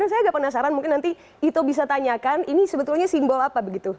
dan saya agak penasaran mungkin nanti ito bisa tanyakan ini sebetulnya simbol apa begitu